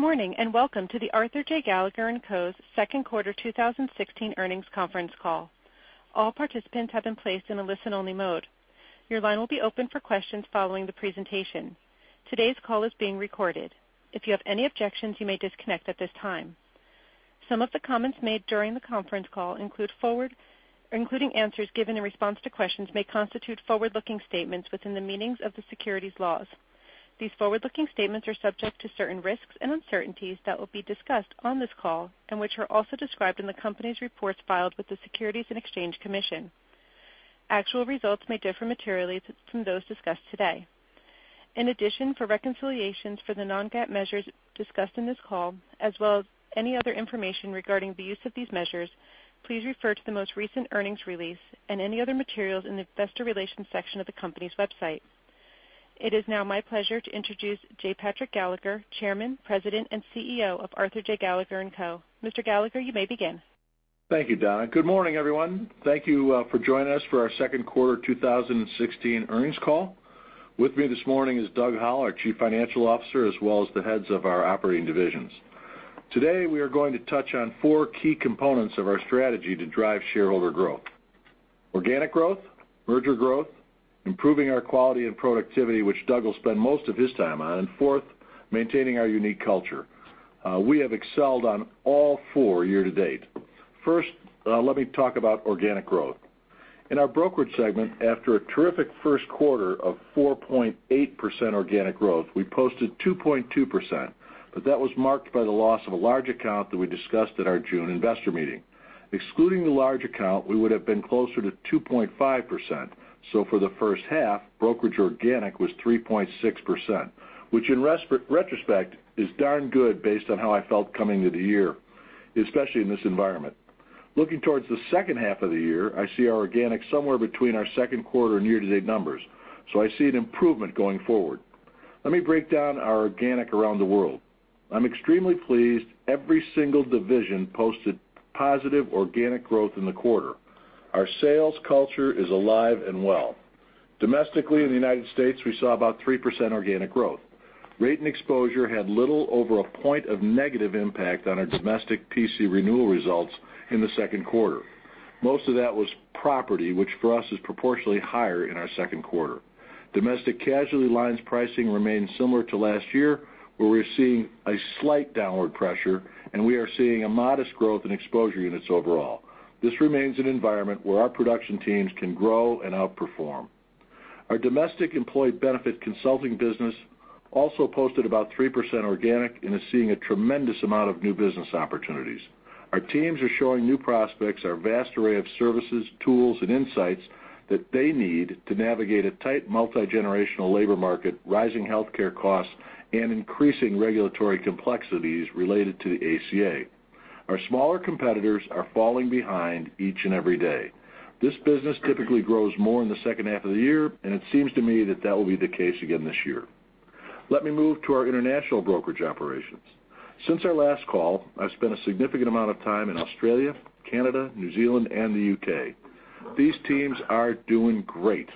Good morning, welcome to the Arthur J. Gallagher & Co.'s second quarter 2016 earnings conference call. All participants have been placed in a listen-only mode. Your line will be open for questions following the presentation. Today's call is being recorded. If you have any objections, you may disconnect at this time. Some of the comments made during the conference call, including answers given in response to questions, may constitute forward-looking statements within the meanings of the securities laws. These forward-looking statements are subject to certain risks and uncertainties that will be discussed on this call, which are also described in the company's reports filed with the Securities and Exchange Commission. Actual results may differ materially from those discussed today. In addition, for reconciliations for the non-GAAP measures discussed in this call, as well as any other information regarding the use of these measures, please refer to the most recent earnings release and any other materials in the investor relations section of the company's website. It is now my pleasure to introduce J. Patrick Gallagher, Chairman, President, and CEO of Arthur J. Gallagher & Co. Mr. Gallagher, you may begin. Thank you, Donna. Good morning, everyone. Thank you for joining us for our second quarter 2016 earnings call. With me this morning is Doug Howell, our Chief Financial Officer, as well as the heads of our operating divisions. Today, we are going to touch on four key components of our strategy to drive shareholder growth: organic growth, merger growth, improving our quality and productivity, which Doug will spend most of his time on, and fourth, maintaining our unique culture. We have excelled on all four year-to-date. First, let me talk about organic growth. In our brokerage segment, after a terrific first quarter of 4.8% organic growth, we posted 2.2%. That was marked by the loss of a large account that we discussed at our June investor meeting. Excluding the large account, we would have been closer to 2.5%. For the first half, brokerage organic was 3.6%, which in retrospect is darn good based on how I felt coming to the year, especially in this environment. Looking towards the second half of the year, I see our organic somewhere between our second quarter and year-to-date numbers. I see an improvement going forward. Let me break down our organic around the world. I'm extremely pleased every single division posted positive organic growth in the quarter. Our sales culture is alive and well. Domestically, in the United States, we saw about 3% organic growth. Rate and exposure had little over a point of negative impact on our domestic PC renewal results in the second quarter. Most of that was property, which for us is proportionally higher in our second quarter. Domestic casualty lines pricing remains similar to last year, where we're seeing a slight downward pressure, and we are seeing a modest growth in exposure units overall. This remains an environment where our production teams can grow and outperform. Our domestic employee benefit consulting business also posted about 3% organic and is seeing a tremendous amount of new business opportunities. Our teams are showing new prospects our vast array of services, tools, and insights that they need to navigate a tight multi-generational labor market, rising healthcare costs, and increasing regulatory complexities related to the ACA. Our smaller competitors are falling behind each and every day. This business typically grows more in the second half of the year, and it seems to me that that will be the case again this year. Let me move to our international brokerage operations. Since our last call, I've spent a significant amount of time in Australia, Canada, New Zealand, and the U.K. These teams are doing great.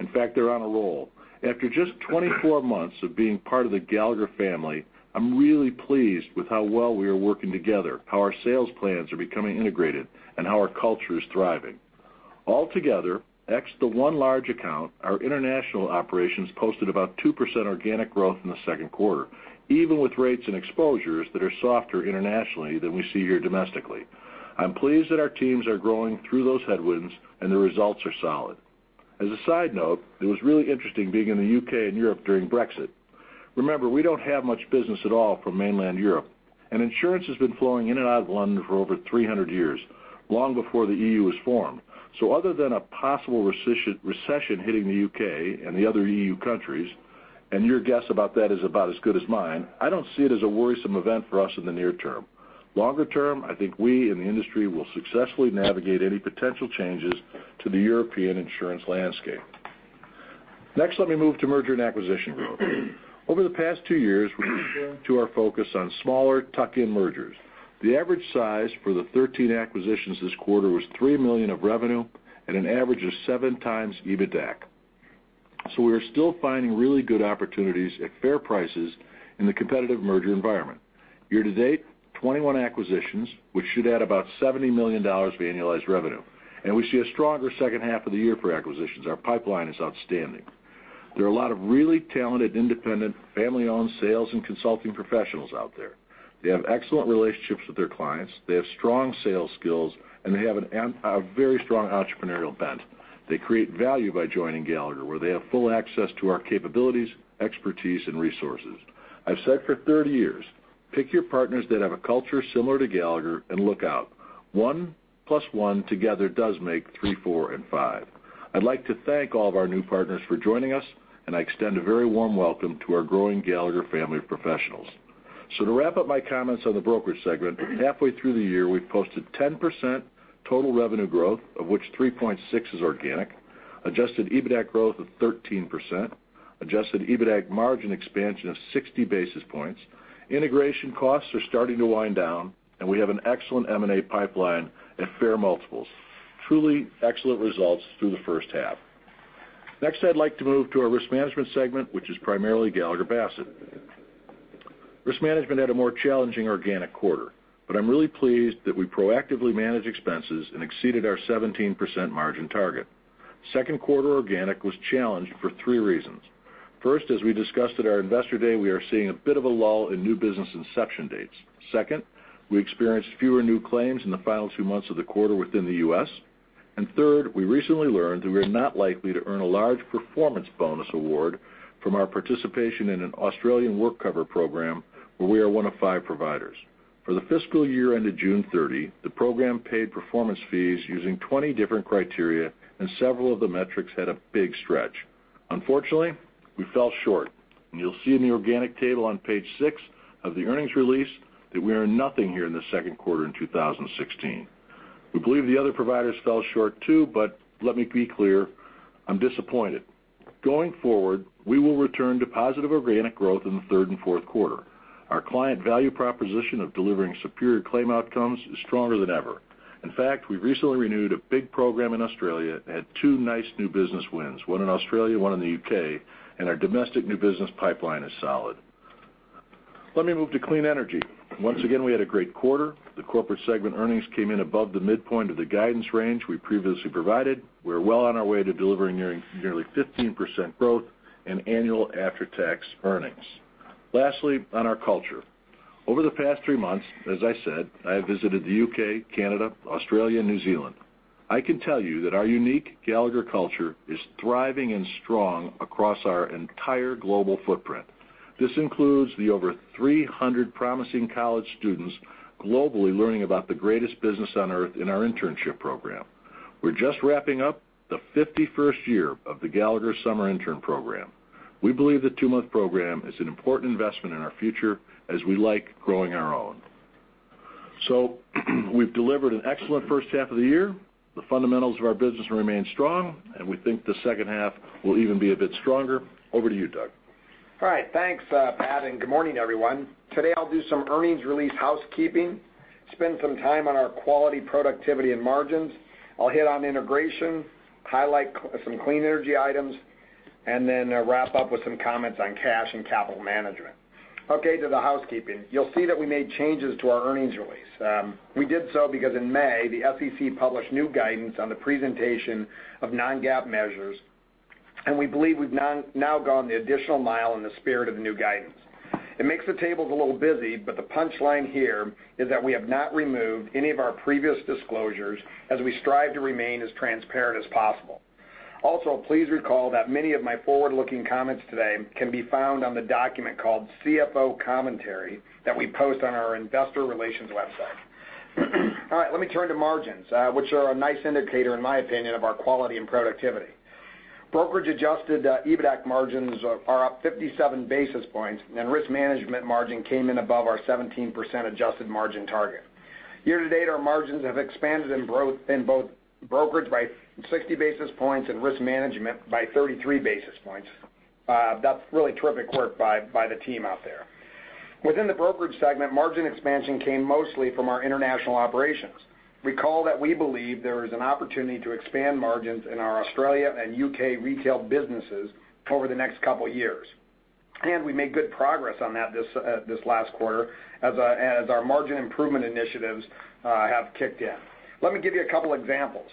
In fact, they're on a roll. After just 24 months of being part of the Gallagher family, I'm really pleased with how well we are working together, how our sales plans are becoming integrated, and how our culture is thriving. All together, ex the one large account, our international operations posted about 2% organic growth in the second quarter, even with rates and exposures that are softer internationally than we see here domestically. I'm pleased that our teams are growing through those headwinds, and the results are solid. As a side note, it was really interesting being in the U.K. and Europe during Brexit. Remember, we don't have much business at all from mainland Europe, and insurance has been flowing in and out of London for over 300 years, long before the EU was formed. Other than a possible recession hitting the U.K. and the other EU countries, and your guess about that is about as good as mine, I don't see it as a worrisome event for us in the near term. Longer term, I think we in the industry will successfully navigate any potential changes to the European insurance landscape. Next, let me move to merger and acquisition growth. Over the past two years, we've been true to our focus on smaller tuck-in mergers. The average size for the 13 acquisitions this quarter was $3 million of revenue at an average of seven times EBITDAC. We are still finding really good opportunities at fair prices in the competitive merger environment. Year to date, 21 acquisitions, which should add about $70 million of annualized revenue, and we see a stronger second half of the year for acquisitions. Our pipeline is outstanding. There are a lot of really talented independent family-owned sales and consulting professionals out there. They have excellent relationships with their clients, they have strong sales skills, and they have a very strong entrepreneurial bent. They create value by joining Gallagher, where they have full access to our capabilities, expertise, and resources. I've said for 30 years, pick your partners that have a culture similar to Gallagher and look out. One plus one together does make three, four, and five. I'd like to thank all of our new partners for joining us, and I extend a very warm welcome to our growing Gallagher family of professionals. To wrap up my comments on the brokerage segment, halfway through the year, we've posted 10% total revenue growth, of which 3.6% is organic, adjusted EBITDAC growth of 13%, adjusted EBITDAC margin expansion of 60 basis points. Integration costs are starting to wind down. We have an excellent M&A pipeline at fair multiples. Truly excellent results through the first half. I'd like to move to our Risk Management segment, which is primarily Gallagher Bassett. Risk Management had a more challenging organic quarter. I'm really pleased that we proactively managed expenses and exceeded our 17% margin target. Second quarter organic was challenged for three reasons. First, as we discussed at our Investor Day, we are seeing a bit of a lull in new business inception dates. Second, we experienced fewer new claims in the final two months of the quarter within the U.S. Third, we recently learned that we are not likely to earn a large performance bonus award from our participation in an Australian WorkCover program where we are one of five providers. For the fiscal year ended June 30, the program paid performance fees using 20 different criteria. Several of the metrics had a big stretch. Unfortunately, we fell short. You'll see in the organic table on page six of the earnings release that we earned nothing here in the second quarter in 2016. We believe the other providers fell short too. Let me be clear, I'm disappointed. Going forward, we will return to positive organic growth in the third and fourth quarter. Our client value proposition of delivering superior claim outcomes is stronger than ever. In fact, we recently renewed a big program in Australia. Had two nice new business wins, one in Australia, one in the U.K. Our domestic new business pipeline is solid. Let me move to Clean Energy. Once again, we had a great quarter. The corporate segment earnings came in above the midpoint of the guidance range we previously provided. We're well on our way to delivering nearly 15% growth in annual after-tax earnings. On our culture. Over the past three months, as I said, I have visited the U.K., Canada, Australia, and New Zealand. I can tell you that our unique Gallagher culture is thriving and strong across our entire global footprint. This includes the over 300 promising college students globally learning about the greatest business on Earth in our internship program. We're just wrapping up the 51st year of the Gallagher Summer Intern program. We believe the two-month program is an important investment in our future as we like growing our own. We've delivered an excellent first half of the year. The fundamentals of our business remain strong. We think the second half will even be a bit stronger. Over to you, Doug. All right. Thanks, Pat. Good morning, everyone. Today, I'll do some earnings release housekeeping, spend some time on our quality, productivity, and margins. I'll hit on integration, highlight some Clean Energy items. Then wrap up with some comments on cash and capital management. Okay, to the housekeeping. You'll see that we made changes to our earnings release. We did so because in May, the SEC published new guidance on the presentation of non-GAAP measures. We believe we've now gone the additional mile in the spirit of the new guidance. It makes the tables a little busy, but the punchline here is that we have not removed any of our previous disclosures as we strive to remain as transparent as possible. Please recall that many of my forward-looking comments today can be found on the document called CFO Commentary that we post on our investor relations website. All right. Let me turn to margins, which are a nice indicator, in my opinion, of our quality and productivity. Brokerage adjusted EBITDA margins are up 57 basis points. Risk Management margin came in above our 17% adjusted margin target. Year to date, our margins have expanded in both Brokerage by 60 basis points and Risk Management by 33 basis points. That's really terrific work by the team out there. Within the Brokerage segment, margin expansion came mostly from our international operations. Recall that we believe there is an opportunity to expand margins in our Australia and U.K. retail businesses over the next couple years. We made good progress on that this last quarter as our margin improvement initiatives have kicked in. Let me give you a couple examples.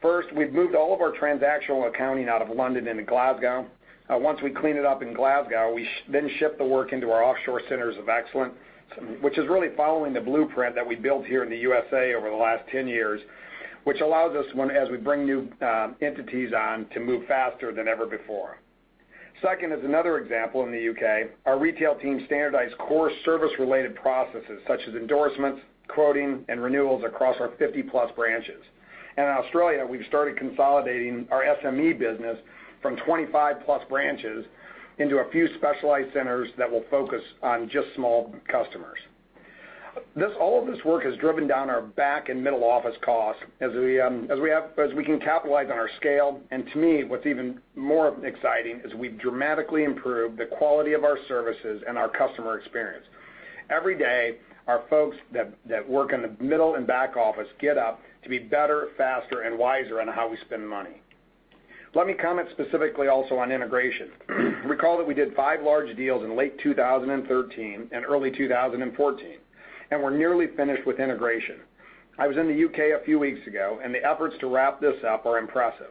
First, we've moved all of our transactional accounting out of London into Glasgow. Once we clean it up in Glasgow, we then ship the work into our offshore centers of excellence, which is really following the blueprint that we built here in the USA over the last 10 years, which allows us as we bring new entities on to move faster than ever before. Second is another example in the U.K. Our retail team standardized core service-related processes such as endorsements, quoting, and renewals across our 50-plus branches. In Australia, we've started consolidating our SME business from 25-plus branches into a few specialized centers that will focus on just small customers. All of this work has driven down our back and middle office costs as we can capitalize on our scale. To me, what's even more exciting is we've dramatically improved the quality of our services and our customer experience. Every day, our folks that work in the middle and back office get up to be better, faster, and wiser on how we spend money. Let me comment specifically also on integration. Recall that we did five large deals in late 2013 and early 2014. We're nearly finished with integration. I was in the U.K. a few weeks ago. The efforts to wrap this up are impressive.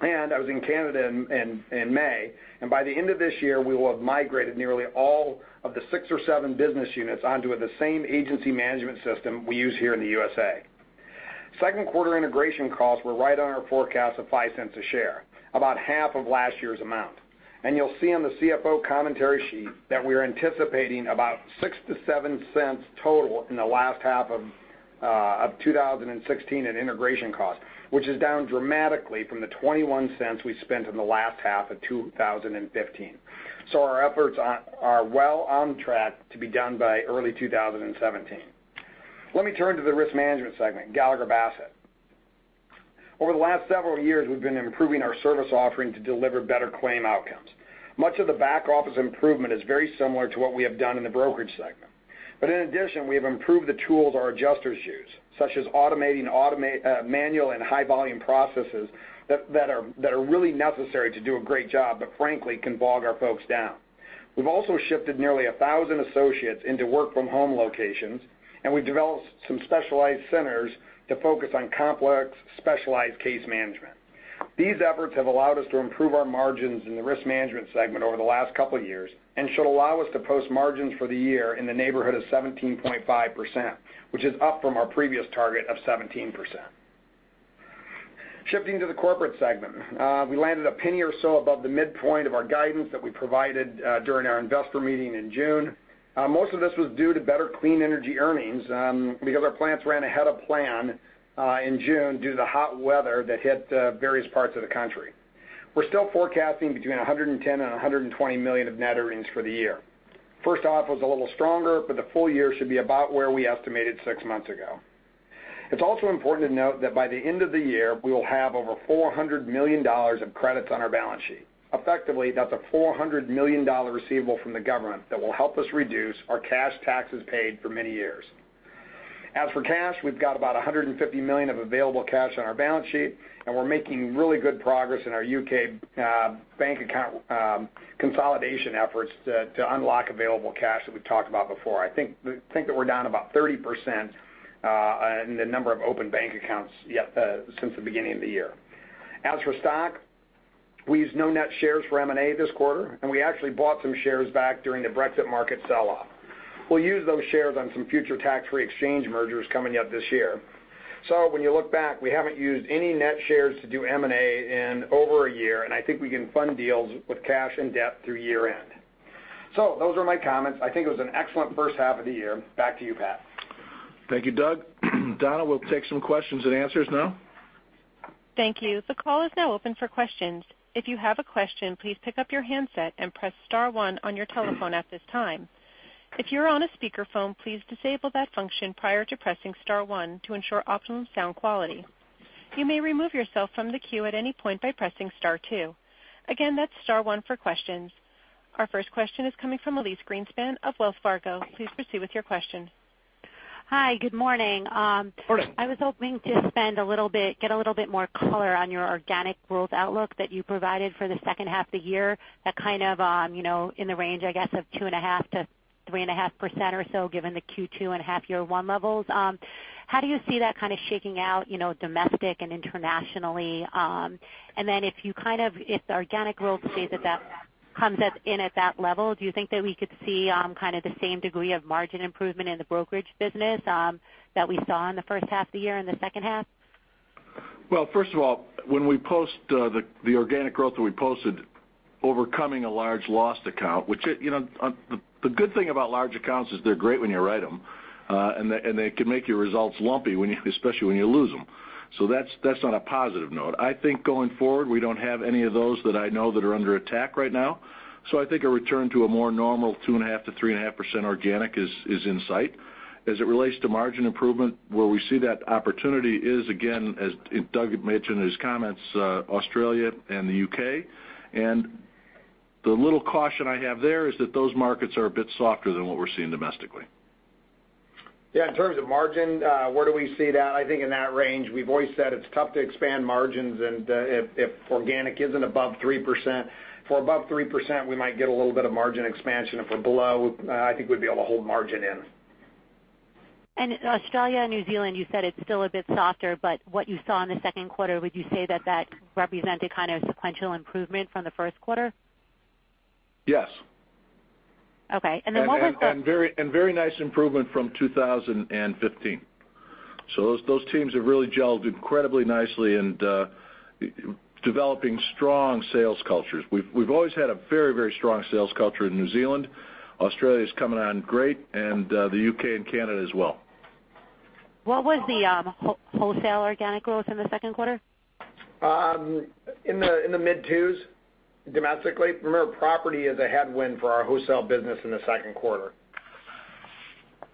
I was in Canada in May. By the end of this year, we will have migrated nearly all of the six or seven business units onto the same agency management system we use here in the USA. Second quarter integration costs were right on our forecast of $0.05 a share, about half of last year's amount. You'll see on the CFO Commentary sheet that we are anticipating about $0.06-$0.07 total in the last half of 2016 in integration costs, which is down dramatically from the $0.21 we spent in the last half of 2015. Our efforts are well on track to be done by early 2017. Let me turn to the Risk Management segment, Gallagher Bassett. Over the last several years, we've been improving our service offering to deliver better claim outcomes. Much of the back office improvement is very similar to what we have done in the Brokerage segment. In addition, we have improved the tools our adjusters use, such as automating manual and high-volume processes that are really necessary to do a great job, but frankly, can bog our folks down. We've also shifted nearly 1,000 associates into work-from-home locations, and we've developed some specialized centers to focus on complex, specialized case management. These efforts have allowed us to improve our margins in the Risk Management segment over the last couple of years, and should allow us to post margins for the year in the neighborhood of 17.5%, which is up from our previous target of 17%. Shifting to the Corporate segment. We landed a $0.01 or so above the midpoint of our guidance that we provided during our investor meeting in June. Most of this was due to better Clean Energy earnings, because our plants ran ahead of plan in June due to the hot weather that hit various parts of the country. We're still forecasting between $110 million-$120 million of net earnings for the year. First off was a little stronger, the full year should be about where we estimated six months ago. It's also important to note that by the end of the year, we will have over $400 million of credits on our balance sheet. Effectively, that's a $400 million receivable from the government that will help us reduce our cash taxes paid for many years. As for cash, we've got about $150 million of available cash on our balance sheet, and we're making really good progress in our U.K. bank account consolidation efforts to unlock available cash that we've talked about before. I think that we're down about 30% in the number of open bank accounts since the beginning of the year. As for stock, we used no net shares for M&A this quarter, and we actually bought some shares back during the Brexit market sell-off. We'll use those shares on some future tax-free exchange mergers coming up this year. When you look back, we haven't used any net shares to do M&A in over a year, and I think we can fund deals with cash and debt through year-end. Those are my comments. I think it was an excellent first half of the year. Back to you, Pat. Thank you, Doug. Donna, we'll take some questions and answers now. Thank you. The call is now open for questions. If you have a question, please pick up your handset and press *1 on your telephone at this time. If you're on a speakerphone, please disable that function prior to pressing *1 to ensure optimum sound quality. You may remove yourself from the queue at any point by pressing *2. Again, that's *1 for questions. Our first question is coming from Elyse Greenspan of Wells Fargo. Please proceed with your question. Hi. Good morning. Morning. I was hoping to get a little bit more color on your organic growth outlook that you provided for the second half of the year. That kind of in the range, I guess, of 2.5%-3.5% or so, given the Q2 and half year one levels. How do you see that kind of shaking out domestic and internationally? If the organic growth stays at that, comes in at that level, do you think that we could see kind of the same degree of margin improvement in the brokerage business that we saw in the first half of the year, in the second half? Well, first of all, when we post the organic growth that we posted overcoming a large lost account, the good thing about large accounts is they're great when you write them, and they can make your results lumpy, especially when you lose them. That's on a positive note. I think going forward, we don't have any of those that I know that are under attack right now. I think a return to a more normal 2.5%-3.5% organic is in sight. As it relates to margin improvement, where we see that opportunity is, again, as Doug mentioned in his comments, Australia and the U.K. The little caution I have there is that those markets are a bit softer than what we're seeing domestically. Yeah. In terms of margin, where do we see that? I think in that range. We've always said it's tough to expand margins, and if organic isn't above 3%. If we're above 3%, we might get a little bit of margin expansion. If we're below, I think we'd be able to hold margin in. Australia and New Zealand, you said it's still a bit softer, but what you saw in the second quarter, would you say that that represented kind of sequential improvement from the first quarter? Yes. Okay. What was the- Very nice improvement from 2015. Those teams have really gelled incredibly nicely in developing strong sales cultures. We've always had a very strong sales culture in New Zealand. Australia's coming on great, and the U.K. and Canada as well. What was the wholesale organic growth in the second quarter? In the mid 2s domestically. Remember, property is a headwind for our wholesale business in the second quarter.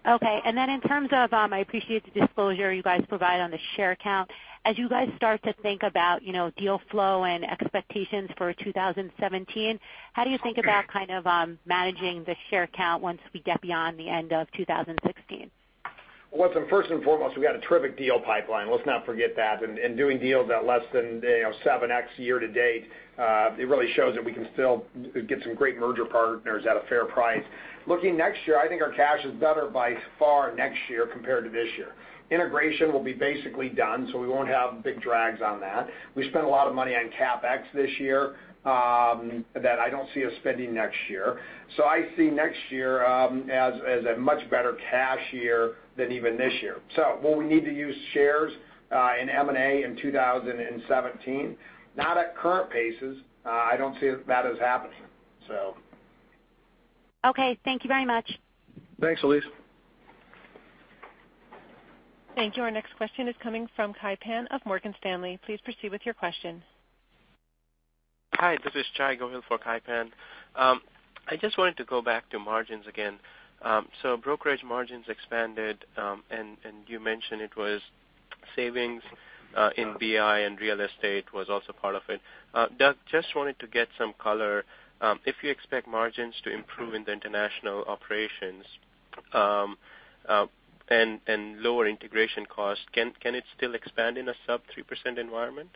Okay. In terms of, I appreciate the disclosure you guys provide on the share count. As you guys start to think about deal flow and expectations for 2017, how do you think about kind of managing the share count once we get beyond the end of 2016? Well, first and foremost, we got a terrific deal pipeline. Let's not forget that. Doing deals at less than 7x year to date, it really shows that we can still get some great merger partners at a fair price. Looking next year, I think our cash is better by far next year compared to this year. Integration will be basically done, so we won't have big drags on that. We spent a lot of money on CapEx this year that I don't see us spending next year. I see next year as a much better cash year than even this year. Will we need to use shares in M&A in 2017? Not at current paces. I don't see that as happening. Okay. Thank you very much. Thanks, Elyse. Thank you. Our next question is coming from Kai Pan of Morgan Stanley. Please proceed with your question. Hi, this is Chai Gohil for Kai Pan. I just wanted to go back to margins again. Brokerage margins expanded, and you mentioned it was savings in BI and real estate was also part of it. Doug, just wanted to get some color. If you expect margins to improve in the international operations, and lower integration costs, can it still expand in a sub 3% environment?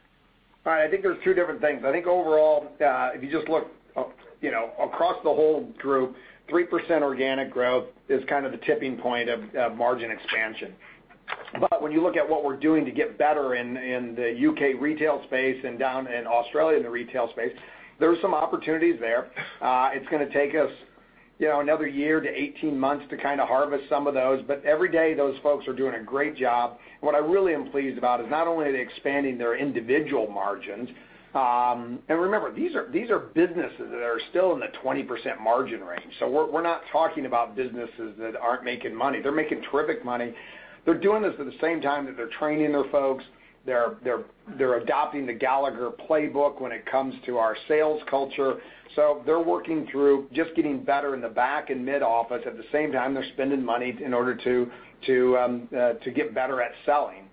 Right. I think there's two different things. I think overall, if you just look across the whole group, 3% organic growth is kind of the tipping point of margin expansion. When you look at what we're doing to get better in the U.K. retail space and down in Australia in the retail space, there are some opportunities there. It's going to take us another year to 18 months to kind of harvest some of those, but every day those folks are doing a great job. What I really am pleased about is not only are they expanding their individual margins, and remember, these are businesses that are still in the 20% margin range. We're not talking about businesses that aren't making money. They're making terrific money. They're doing this at the same time that they're training their folks. They're adopting the Gallagher playbook when it comes to our sales culture. They're working through just getting better in the back and mid office. At the same time, they're spending money in order to get better at selling.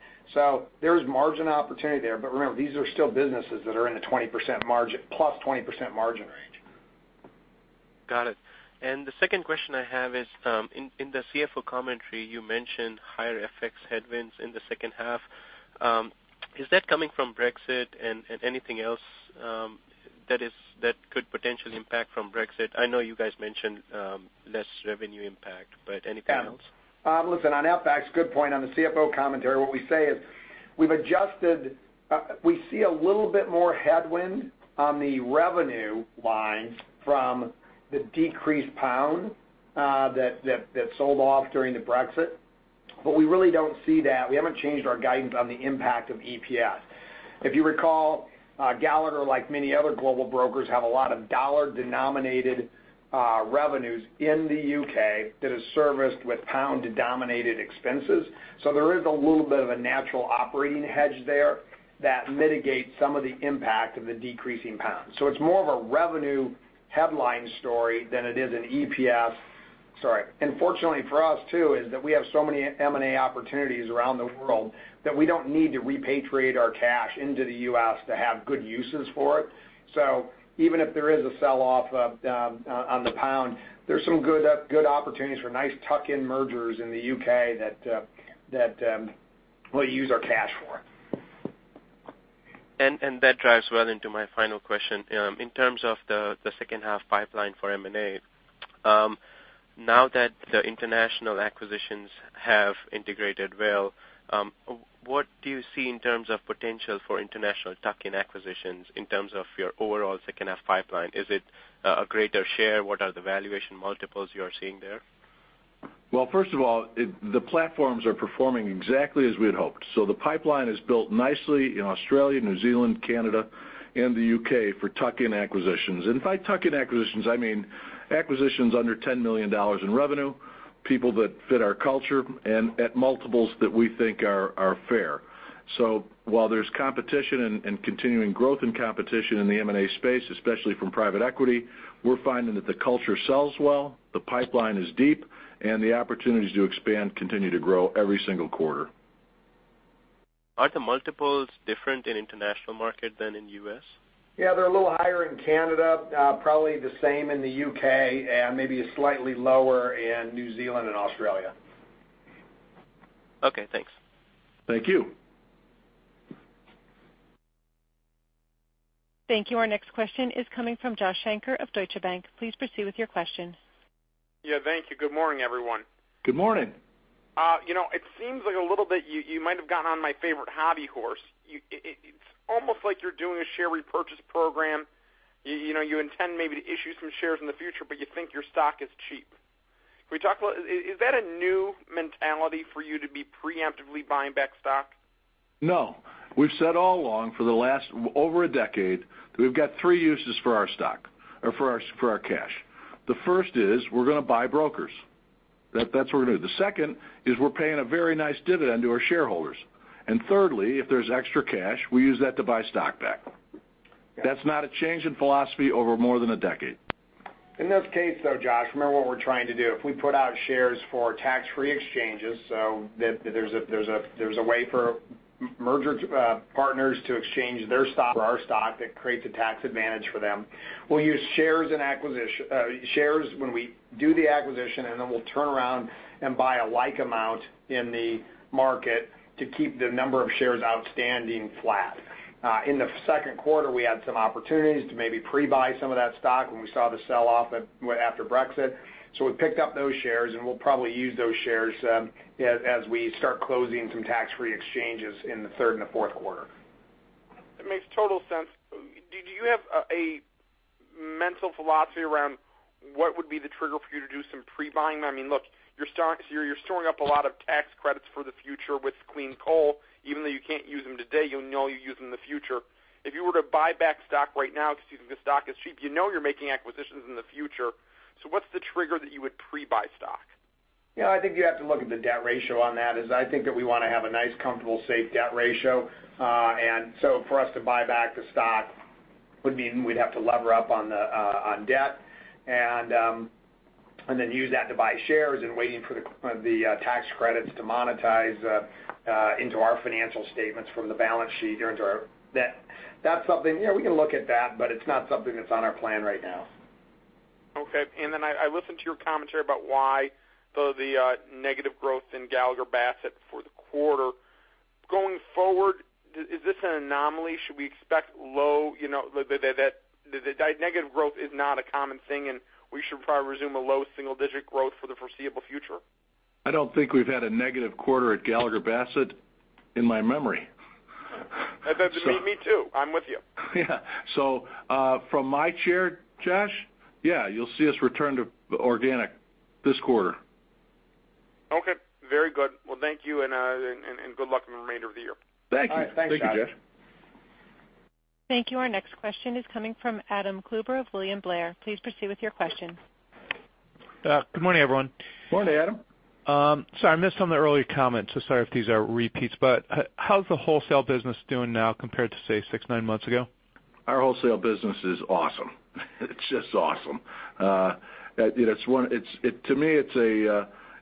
There's margin opportunity there, but remember, these are still businesses that are in the plus 20% margin range. Got it. The second question I have is, in the CFO Commentary, you mentioned higher FX headwinds in the second half. Is that coming from Brexit and anything else that could potentially impact from Brexit? I know you guys mentioned less revenue impact, but anything else? Listen on FX, good point on the CFO commentary. What we say is we've adjusted, we see a little bit more headwind on the revenue lines from the decreased pound that sold off during the Brexit. We really don't see that, we haven't changed our guidance on the impact of EPS. If you recall, Gallagher, like many other global brokers, have a lot of dollar-denominated revenues in the U.K. that is serviced with pound-denominated expenses. There is a little bit of a natural operating hedge there that mitigates some of the impact of the decreasing pound. It's more of a revenue headline story than it is an EPS, sorry. Fortunately for us too, is that we have so many M&A opportunities around the world that we don't need to repatriate our cash into the U.S. to have good uses for it. Even if there is a sell off on the pound, there's some good opportunities for nice tuck-in mergers in the U.K. that we'll use our cash for. That drives well into my final question. In terms of the second half pipeline for M&A, now that the international acquisitions have integrated well, what do you see in terms of potential for international tuck-in acquisitions in terms of your overall second half pipeline? Is it a greater share? What are the valuation multiples you are seeing there? Well, first of all, the platforms are performing exactly as we had hoped. The pipeline is built nicely in Australia, New Zealand, Canada, and the U.K. for tuck-in acquisitions. By tuck-in acquisitions, I mean acquisitions under $10 million in revenue, people that fit our culture, and at multiples that we think are fair. While there's competition and continuing growth in competition in the M&A space, especially from private equity, we're finding that the culture sells well, the pipeline is deep, and the opportunities to expand continue to grow every single quarter. Are the multiples different in international market than in U.S.? Yeah, they're a little higher in Canada, probably the same in the U.K., and maybe slightly lower in New Zealand and Australia. Okay, thanks. Thank you. Thank you. Our next question is coming from Joshua Shanker of Deutsche Bank. Please proceed with your question. Yeah, thank you. Good morning, everyone. Good morning. It seems like a little bit you might have gotten on my favorite hobby horse. It's almost like you're doing a share repurchase program. You intend maybe to issue some shares in the future, but you think your stock is cheap. Can we talk about, is that a new mentality for you to be preemptively buying back stock? No. We've said all along for the last over a decade that we've got three uses for our stock or for our cash. The first is we're going to buy brokers. That's what we're going to do. The second is we're paying a very nice dividend to our shareholders. Thirdly, if there's extra cash, we use that to buy stock back. That's not a change in philosophy over more than a decade. In this case, though, Josh, remember what we're trying to do. If we put out shares for tax-free exchanges, so there's a way for merger partners to exchange their stock for our stock, that creates a tax advantage for them. We'll use shares when we do the acquisition, and then we'll turn around and buy a like amount in the market to keep the number of shares outstanding flat. In the second quarter, we had some opportunities to maybe pre-buy some of that stock when we saw the sell-off after Brexit. We picked up those shares, and we'll probably use those shares as we start closing some tax-free exchanges in the third and the fourth quarter. It makes total sense. Do you have a mental philosophy around what would be the trigger for you to do some pre-buying? I mean, look, you're storing up a lot of tax credits for the future with Clean Energy, even though you can't use them today, you know you'll use them in the future. If you were to buy back stock right now because you think the stock is cheap, you know you're making acquisitions in the future. What's the trigger that you would pre-buy stock? Yeah, I think you have to look at the debt ratio on that, as I think that we want to have a nice, comfortable, safe debt ratio. For us to buy back the stock would mean we'd have to lever up on debt, then use that to buy shares and waiting for the tax credits to monetize into our financial statements from the balance sheet into our debt. That's something, we can look at that, but it's not something that's on our plan right now. Okay. I listened to your commentary about why the negative growth in Gallagher Bassett for the quarter. Going forward, is this an anomaly? Should we expect that negative growth is not a common thing, and we should probably resume a low single-digit growth for the foreseeable future? I don't think we've had a negative quarter at Gallagher Bassett in my memory. Me too. I'm with you. Yeah. From my chair, Josh, yeah, you'll see us return to organic this quarter. Okay. Very good. Well, thank you, and good luck in the remainder of the year. Thank you. All right. Thanks, Josh. Thank you, Josh. Thank you. Our next question is coming from Adam Klauber of William Blair. Please proceed with your question. Good morning, everyone. Morning, Adam. Sorry, I missed some of the earlier comments. Sorry if these are repeats. How's the wholesale business doing now compared to, say, six, nine months ago? Our wholesale business is awesome. It's just awesome. To me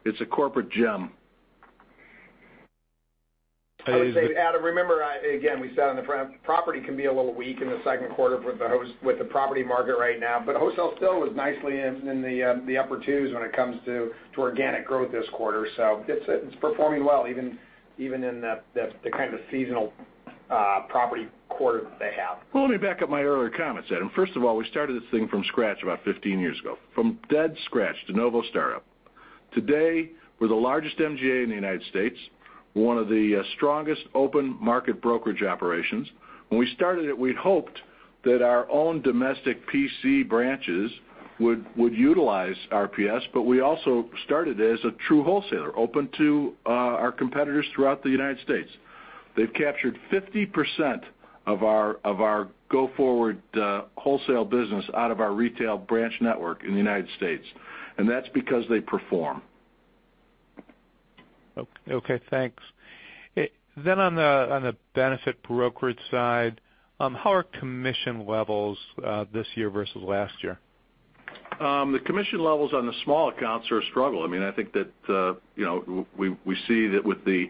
it's a corporate gem. I would say, Adam, remember, again, we said on the front, property can be a little weak in the second quarter with the property market right now. Wholesale still was nicely in the upper twos when it comes to organic growth this quarter. It's performing well even in the kind of seasonal property quarter that they have. Well, let me back up my earlier comments, Adam. First of all, we started this thing from scratch about 15 years ago, from dead scratch, de novo startup. Today, we're the largest MGA in the United States, one of the strongest open market brokerage operations. When we started it, we'd hoped that our own domestic PC branches would utilize RPS. We also started it as a true wholesaler, open to our competitors throughout the United States. They've captured 50% of our go-forward wholesale business out of our retail branch network in the United States, and that's because they perform. Okay, thanks. On the benefit brokerage side, how are commission levels this year versus last year? The commission levels on the small accounts are a struggle. I think that we see that with the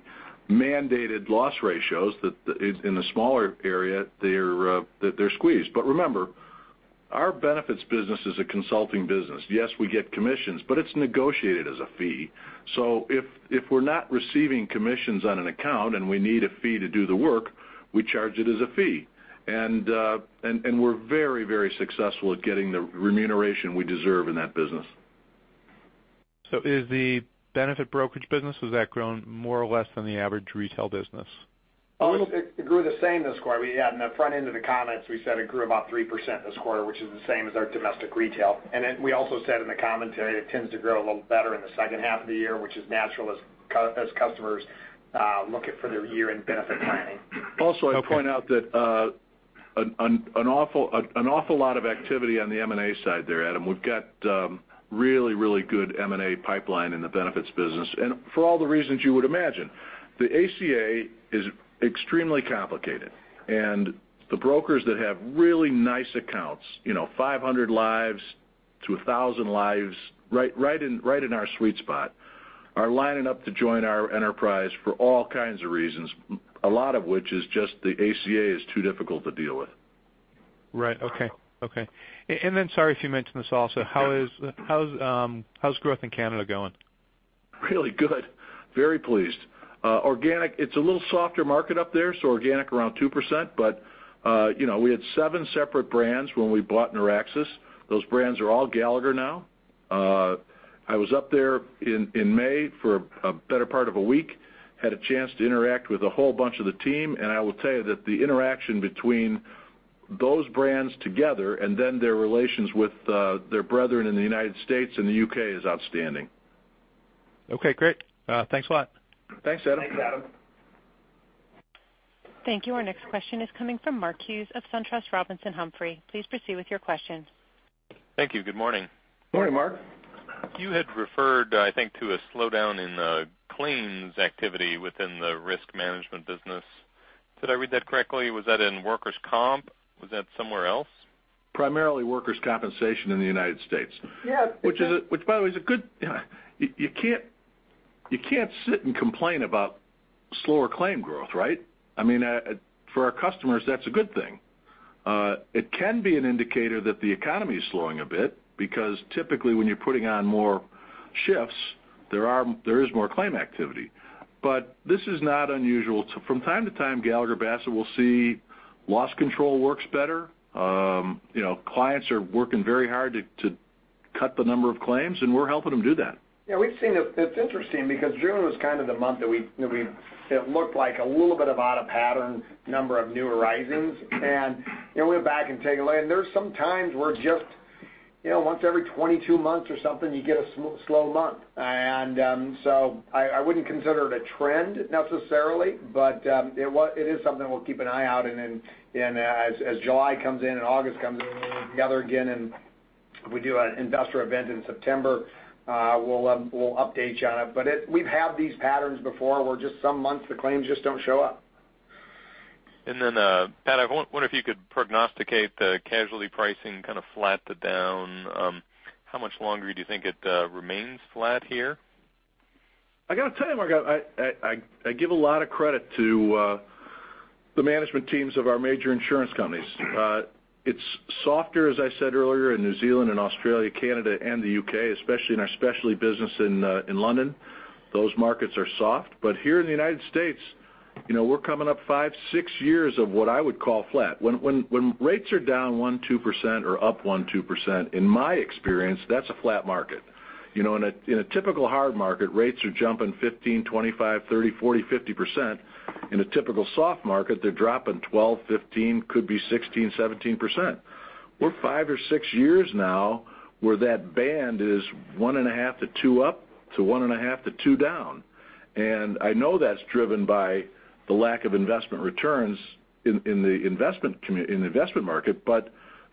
mandated loss ratios, that in the smaller area that they're squeezed. Remember, our benefits business is a consulting business. Yes, we get commissions, but it's negotiated as a fee. If we're not receiving commissions on an account and we need a fee to do the work, we charge it as a fee. We're very successful at getting the remuneration we deserve in that business. Is the benefit brokerage business, has that grown more or less than the average retail business? A little bit. It grew the same this quarter. In the front end of the comments, we said it grew about 3% this quarter, which is the same as our domestic retail. We also said in the commentary, it tends to grow a little better in the second half of the year, which is natural as customers look for their year-end benefit planning. Also, I'll point out that an awful lot of activity on the M&A side there, Adam. We've got really good M&A pipeline in the benefits business. For all the reasons you would imagine, the ACA is extremely complicated. The brokers that have really nice accounts, 500 lives to 1,000 lives, right in our sweet spot, are lining up to join our enterprise for all kinds of reasons. A lot of which is just the ACA is too difficult to deal with. Right. Okay. Sorry if you mentioned this also, how's growth in Canada going? Really good. Very pleased. Organic, it's a little softer market up there, so organic around 2%. We had seven separate brands when we bought Noraxis. Those brands are all Gallagher now. I was up there in May for a better part of a week, had a chance to interact with a whole bunch of the team, and I will tell you that the interaction between those brands together and then their relations with their brethren in the U.S. and the U.K. is outstanding. Okay, great. Thanks a lot. Thanks, Adam. Thanks, Adam. Thank you. Our next question is coming from Mark Hughes of SunTrust Robinson Humphrey. Please proceed with your question. Thank you. Good morning. Morning, Mark. You had referred, I think, to a slowdown in claims activity within the risk management business. Did I read that correctly? Was that in workers' comp? Was that somewhere else? Primarily workers' compensation in the U.S. Yeah. Which by the way, you can't sit and complain about slower claim growth, right? For our customers, that's a good thing. It can be an indicator that the economy is slowing a bit because typically when you're putting on more shifts, there is more claim activity. This is not unusual. From time to time, Gallagher Bassett will see loss control works better. Clients are working very hard to cut the number of claims, we're helping them do that. Yeah, we've seen it. It's interesting because June was kind of the month that it looked like a little bit of out of pattern number of new arisings, we went back and take a look, there's some times where just once every 22 months or something, you get a slow month. I wouldn't consider it a trend necessarily, but it is something we'll keep an eye out. As July comes in and August comes in together again, we do an investor event in September, we'll update you on it. We've had these patterns before where just some months the claims just don't show up. Pat, I wonder if you could prognosticate the casualty pricing kind of flat to down. How much longer do you think it remains flat here? I got to tell you, Mark, I give a lot of credit to the management teams of our major insurance companies. It's softer, as I said earlier, in New Zealand and Australia, Canada and the U.K., especially in our specialty business in London. Those markets are soft. Here in the U.S., we're coming up five, six years of what I would call flat. When rates are down 1%, 2% or up 1%, 2%, in my experience, that's a flat market. In a typical hard market, rates are jumping 15%, 25%, 30%, 40%, 50%. In a typical soft market, they're dropping 12%, 15%, could be 16%, 17%. We're five or six years now where that band is one and a half to two up, to one and a half to two down. I know that's driven by the lack of investment returns in the investment market,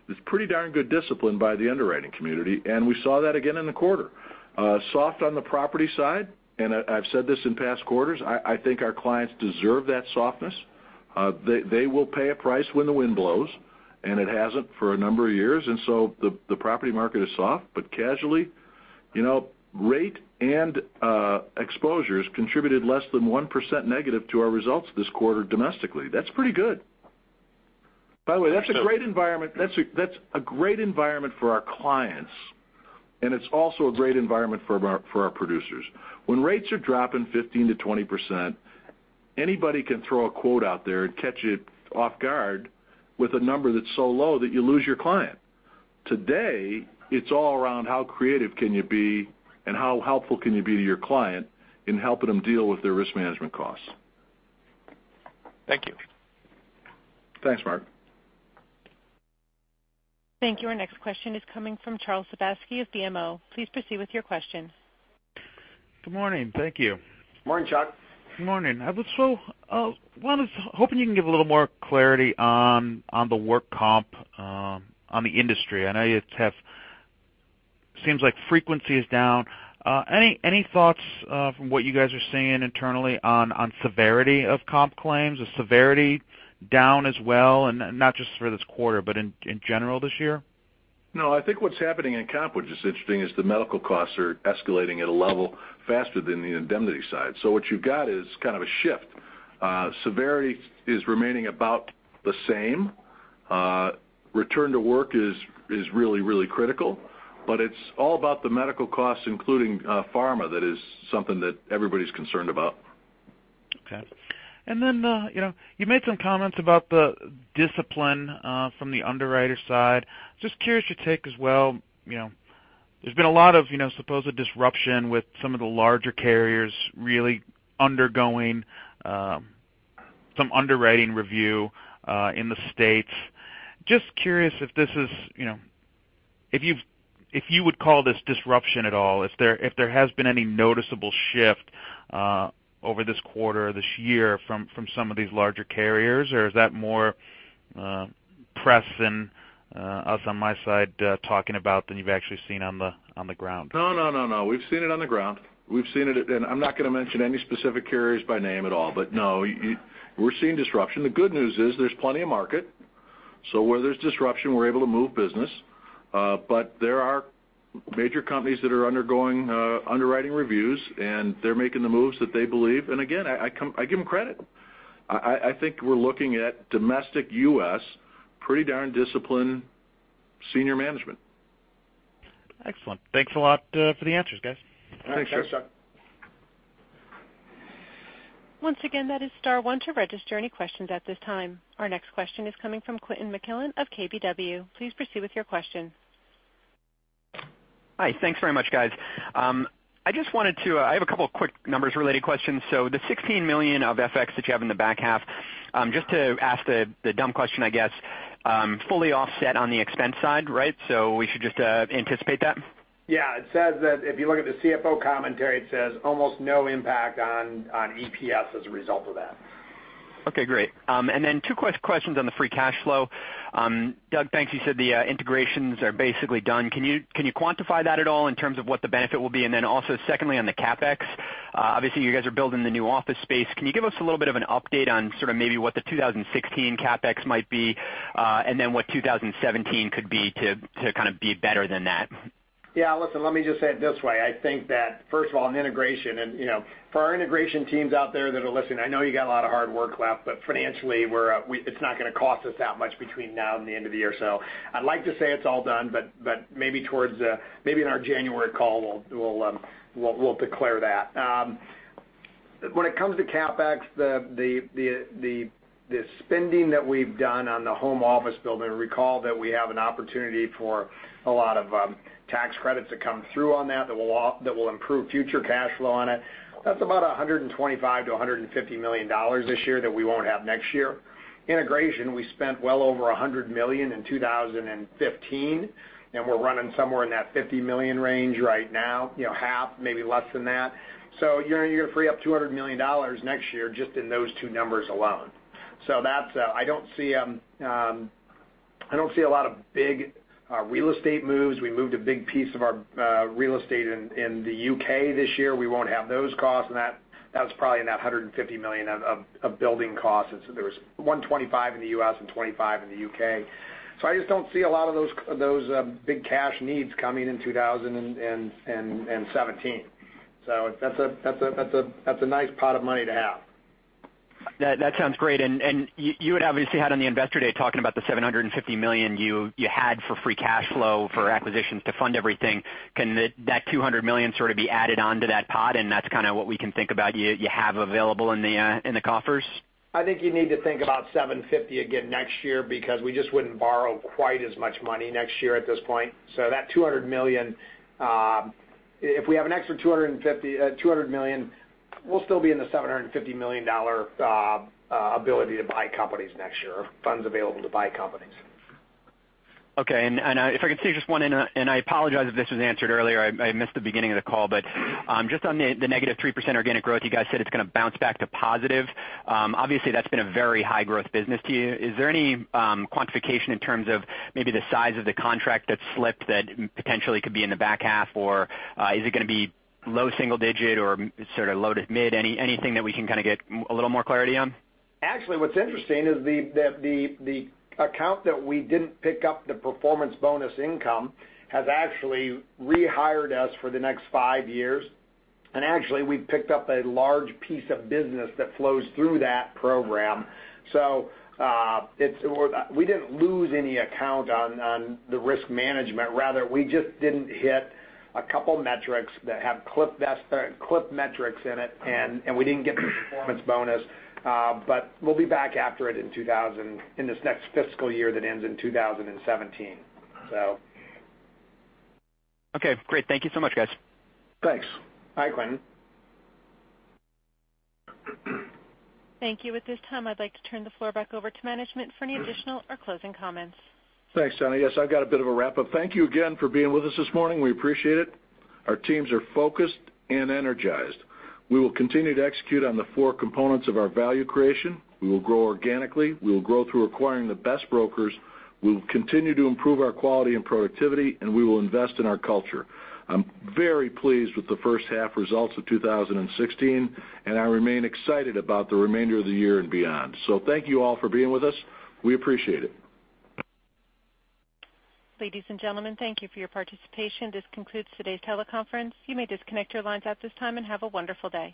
it's pretty darn good discipline by the underwriting community, we saw that again in the quarter. Soft on the property side, I've said this in past quarters, I think our clients deserve that softness. They will pay a price when the wind blows, it hasn't for a number of years, so the property market is soft. Casualty rate and exposures contributed less than 1% negative to our results this quarter domestically. That's pretty good. By the way, that's a great environment for our clients, it's also a great environment for our producers. When rates are dropping 15%-20%, anybody can throw a quote out there and catch it off guard with a number that's so low that you lose your client. Today, it's all around how creative can you be and how helpful can you be to your client in helping them deal with their risk management costs. Thank you. Thanks, Mark. Thank you. Our next question is coming from Charles Sebaski of BMO. Please proceed with your question. Good morning. Thank you. Morning, Chuck. Good morning. I was hoping you can give a little more clarity on the work comp on the industry. I know seems like frequency is down. Any thoughts from what you guys are seeing internally on severity of comp claims? Is severity down as well? Not just for this quarter, but in general this year? No, I think what's happening in comp, which is interesting, is the medical costs are escalating at a level faster than the indemnity side. What you've got is kind of a shift. Severity is remaining about the same. Return to work is really critical. It's all about the medical costs, including pharma, that is something that everybody's concerned about. Okay. You made some comments about the discipline from the underwriter side. Just curious your take as well. There's been a lot of supposed disruption with some of the larger carriers really undergoing some underwriting review in the U.S. Just curious if you would call this disruption at all, if there has been any noticeable shift over this quarter or this year from some of these larger carriers, or is that more press and us on my side talking about than you've actually seen on the ground? No. We've seen it on the ground. We've seen it, I'm not going to mention any specific carriers by name at all. No, we're seeing disruption. The good news is there's plenty of market. Where there's disruption, we're able to move business. There are major companies that are undergoing underwriting reviews, and they're making the moves that they believe. Again, I give them credit. I think we're looking at domestic U.S., pretty darn disciplined senior management. Excellent. Thanks a lot for the answers, guys. Thanks, Chuck. Thanks, Chuck. Once again, that is star one to register any questions at this time. Our next question is coming from Quentin McMillan of KBW. Please proceed with your question. Hi. Thanks very much, guys. I have a couple of quick numbers related questions. The $16 million of FX that you have in the back half, just to ask the dumb question, I guess, fully offset on the expense side, right? We should just anticipate that? Yeah. It says that if you look at the CFO Commentary, it says almost no impact on EPS as a result of that. Okay, great. Two questions on the free cash flow. Doug, thanks. You said the integrations are basically done. Can you quantify that at all in terms of what the benefit will be? Also secondly, on the CapEx, obviously you guys are building the new office space. Can you give us a little bit of an update on sort of maybe what the 2016 CapEx might be and then what 2017 could be to kind of be better than that? Yeah, listen, let me just say it this way. I think that first of all, an integration and for our integration teams out there that are listening, I know you got a lot of hard work left, but financially it's not going to cost us that much between now and the end of the year. I'd like to say it's all done, but maybe in our January call, we'll declare that. When it comes to CapEx, the spending that we've done on the home office building, recall that we have an opportunity for a lot of tax credits to come through on that will improve future cash flow on it. That's about $125 million-$150 million this year that we won't have next year. Integration, we spent well over $100 million in 2015, and we're running somewhere in that $50 million range right now, half, maybe less than that. You're going to free up $200 million next year just in those two numbers alone. I don't see a lot of big real estate moves. We moved a big piece of our real estate in the U.K. this year. We won't have those costs, and that was probably in that $150 million of building costs. There was $125 in the U.S. and $25 in the U.K. I just don't see a lot of those big cash needs coming in 2017. That's a nice pot of money to have. That sounds great. You obviously had on the investor day talking about the $750 million you had for free cash flow for acquisitions to fund everything. Can that $200 million sort of be added on to that pot, and that's kind of what we can think about you have available in the coffers? I think you need to think about $750 again next year because we just wouldn't borrow quite as much money next year at this point. That $200 million, if we have an extra $200 million, we'll still be in the $750 million ability to buy companies next year, funds available to buy companies. Okay, if I can take just one, I apologize if this was answered earlier, I missed the beginning of the call. Just on the negative 3% organic growth, you guys said it's going to bounce back to positive. Obviously, that's been a very high growth business to you. Is there any quantification in terms of maybe the size of the contract that slipped that potentially could be in the back half? Is it going to be low single digit or sort of low to mid? Anything that we can kind of get a little more clarity on? Actually, what's interesting is the account that we didn't pick up the performance bonus income has actually rehired us for the next five years. Actually, we've picked up a large piece of business that flows through that program. We didn't lose any account on the risk management. Rather, we just didn't hit a couple metrics that have clip metrics in it, and we didn't get the performance bonus. We'll be back after it in this next fiscal year that ends in 2017. Okay, great. Thank you so much, guys. Thanks. Bye, Quentin. Thank you. At this time, I'd like to turn the floor back over to management for any additional or closing comments. Thanks, Donna. Yes, I've got a bit of a wrap-up. Thank you again for being with us this morning. We appreciate it. Our teams are focused and energized. We will continue to execute on the four components of our value creation. We will grow organically. We will grow through acquiring the best brokers. We will continue to improve our quality and productivity, and we will invest in our culture. I'm very pleased with the first half results of 2016, and I remain excited about the remainder of the year and beyond. Thank you all for being with us. We appreciate it. Ladies and gentlemen, thank you for your participation. This concludes today's teleconference. You may disconnect your lines at this time, and have a wonderful day